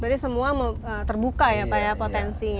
berarti semua terbuka ya pak ya potensinya